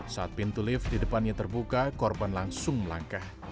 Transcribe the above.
saat pintu lift di depannya terbuka korban langsung melangkah